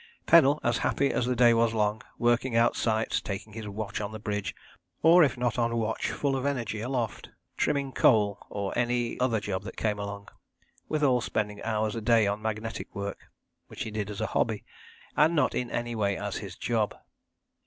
Pennell, as happy as the day was long, working out sights, taking his watch on the bridge, or if not on watch full of energy aloft, trimming coal, or any other job that came along; withal spending hours a day on magnetic work, which he did as a hobby, and not in any way as his job.